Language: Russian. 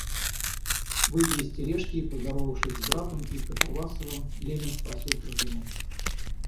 Выйдя из тележки и поздоровавшись с братом и Катавасовым, Левин спросил про жену.